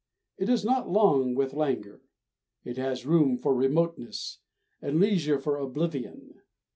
It is not long with languor. It has room for remoteness, and leisure for oblivion.